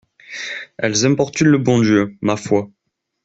Elles importunent le bon Dieu, ma foi!